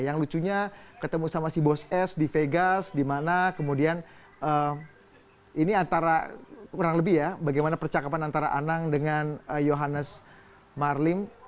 yang lucunya ketemu sama si bos s di vegas di mana kemudian ini antara kurang lebih ya bagaimana percakapan antara anang dengan johannes marlim